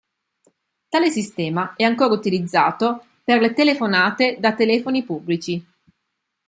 Tale sistema è ancora utilizzato per le telefonate da telefoni pubblici.